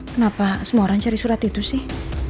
kenapa semua orang cari surat itu sih